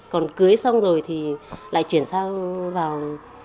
còn cưới xong rồi thì lại chuyển sang vào